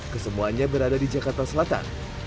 kesemuanya berada di jakarta selatan